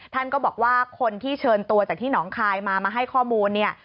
ท่านก็บอกว่าคนที่เชิญตัวจากที่หนองคายมามาให้ข้อมูลเนี่ย